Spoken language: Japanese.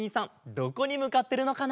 どこにむかってるのかな？